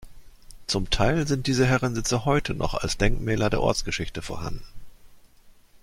Zum Teil sind diese Herrensitze heute noch als Denkmäler der Ortsgeschichte vorhanden.